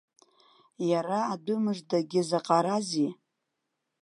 Иара адәы мыждагьы заҟарази!